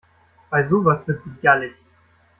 Bei sowas wird sie gallig.